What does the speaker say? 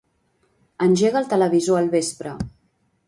Engega el televisor al vespre.